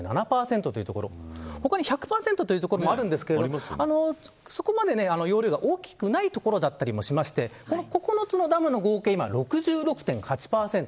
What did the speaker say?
他に１００％という所もあるんですがそこまで容量が大きくない所もあったりして９つのダムの合計は６６．８％。